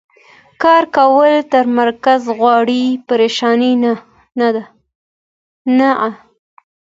کار کول تمرکز غواړي، پریشاني نه.